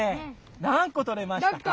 何個取れましたか？